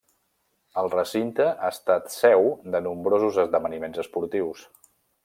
El recinte ha estat seu de nombrosos esdeveniments esportius.